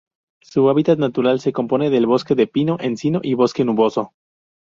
Su hábitat natural se compone de bosque de pino-encino y bosque nuboso.